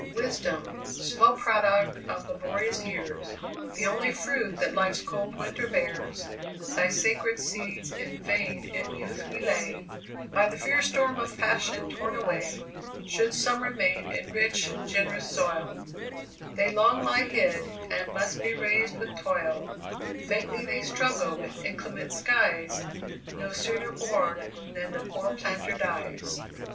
"Wisdom, slow product of laborious years, The only fruit that life's cold winter bears, Thy sacred seeds in vain in youth we lay, By the fierce storm of passion torn away; Should some remain in rich, gen'rous soil, They long lie hid, and must be raised with toil; Faintly they struggle with inclement skies, No sooner born than the poor planter dies."